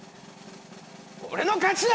俺の勝ちだ！